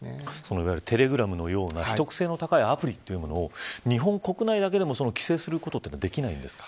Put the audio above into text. いわゆるテレグラムのような秘匿性の高いアプリを日本国内だけでも規制することはできないんですか。